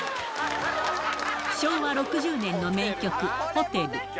昭和６０年の名曲、ホテル。